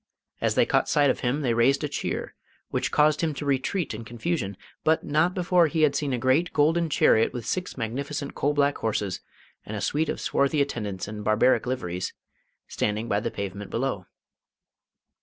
As they caught sight of him they raised a cheer, which caused him to retreat in confusion, but not before he had seen a great golden chariot with six magnificent coal black horses, and a suite of swarthy attendants in barbaric liveries, standing by the pavement below.